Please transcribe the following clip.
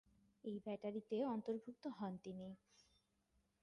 এই ব্যাটারিতে অন্তর্ভুক্ত হন তিনি।